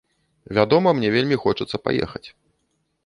Вядома, мне вельмі хочацца паехаць.